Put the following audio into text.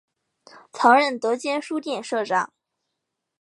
曾任德间书店社长。